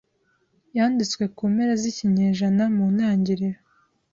yanditswe mu mpera z'ikinyejana mu ntangiriro